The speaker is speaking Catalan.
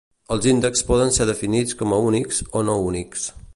Els índexs poden ser definits com a únics o no únics.